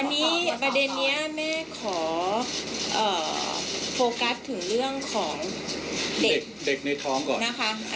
อันนี้ประเด็นนี้แม่ขอโฟกัสถึงเรื่องของเด็กในท้องก่อนนะคะ